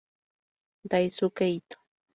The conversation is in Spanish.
Daisuke Ito